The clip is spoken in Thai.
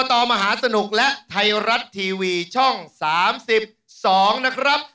ที่๑๒๓๒นะครับ